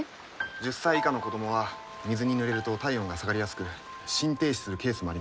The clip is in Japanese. １０歳以下の子供は水にぬれると体温が下がりやすく心停止するケースもあります。